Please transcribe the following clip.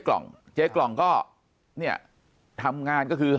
ปากกับภาคภูมิ